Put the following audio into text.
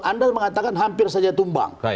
anda mengatakan hampir saja tumbang